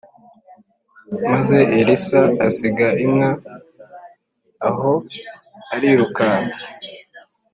Maze Elisa asiga inka aho arirukanka